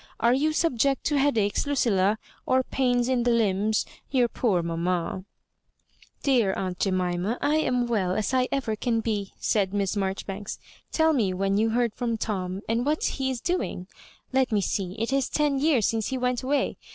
Are you subject to headaches, Lucilla, or pains in the limbs? Tour poor mamma " "Dear aunt Jemima^ I am as well as ever I can be," said Miss Marjoribanka '' Tell me when you heard from Tom, and what he is doing. Let me see, it is ten years since he went away.